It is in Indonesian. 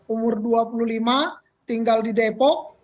umur dua puluh lima tinggal di depok